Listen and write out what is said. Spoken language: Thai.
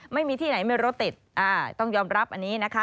ไม่มีที่ไหนมีรถติดต้องยอมรับอันนี้นะคะ